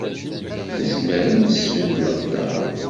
Nezmer ad nesbedd leqder.